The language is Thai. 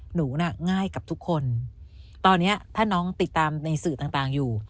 หนูน่ะง่ายกับทุกคนตอนนี้ถ้าน้องติดตามในสื่อต่างอยู่